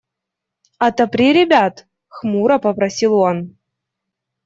– Отопри ребят, – хмуро попросил он.